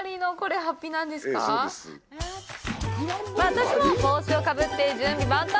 私も帽子をかぶって準備万端！